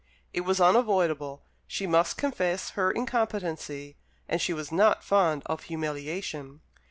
It was unavoidable: she must confess her incompetency, and she was not fond of humiliation.